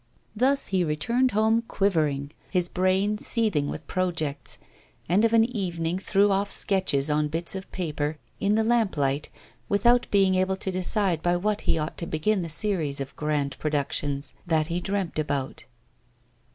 Thus he returned home quivering, his brain seething with projects; and of an evening threw off sketches on bits of paper, in the lamp light, without being able to decide by what he ought to begin the series of grand productions that he dreamt about.